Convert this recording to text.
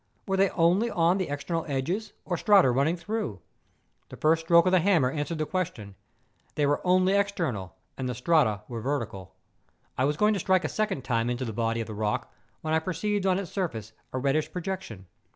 Were they only on the external edges or strata running through ? The first stroke of the hammer answered the question: they were only external, and the strata were vertical. I was going to strike a second time into the body of the rock when I perceived on its surface a reddish projection.